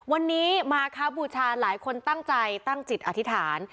วันนี้มาครับบูชาหลายคนตั้งใจตั้งจิตอธิษฐาน